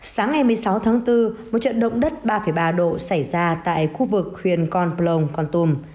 sáng ngày một mươi sáu tháng bốn một trận động đất ba ba độ xảy ra tại khu vực huyện con plong con tum